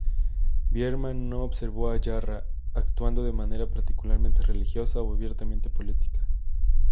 Biermann no observó a Jarrah actuando de manera particularmente religiosa o abiertamente política.